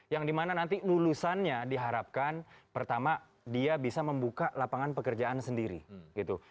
yang dimana nanti lulusannya diharapkan pertama dia bisa membuka lapangan pekerjaan sendiri gitu